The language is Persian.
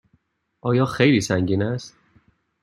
آیا خیلی سنگین است؟